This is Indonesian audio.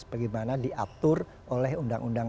seperti mana diatur oleh undang undang